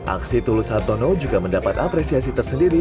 aksi tulus hartono juga mendapat apresiasi tersendiri